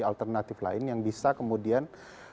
alternatif lain yang bisa kemudian